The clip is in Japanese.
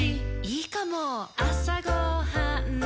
いいかも！